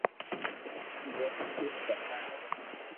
جي مي تين ڪمرا ھي